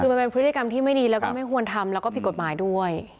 คือมันเป็นพฤติกรรมที่ไม่ดีแล้วก็ไม่ควรทำแล้วก็ผิดกฎหมายด้วย